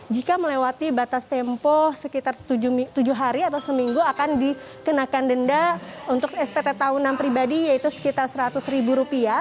jika melewati batas tempo sekitar tujuh hari atau seminggu akan dikenakan denda untuk spt tahunan pribadi yaitu sekitar seratus ribu rupiah